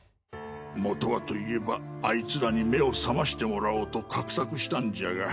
元はといえばあいつらに目を覚ましてもらおうと画策したんじゃが。